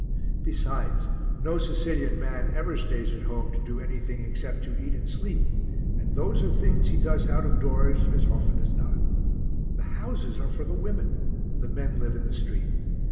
Besides, no Sicilian man ever stays at home to do anything except to eat and sleep, and those are things he does out of doors as often as not; the houses are for the women, the men live in the street.